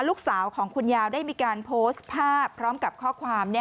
ลูกสาวของคุณยาวได้มีการโพสต์ภาพพร้อมกับข้อความ